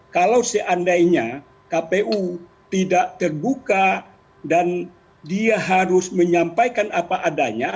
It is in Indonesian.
kalau seandainya kpu tidak terbuka dan dia harus menyampaikan apa adanya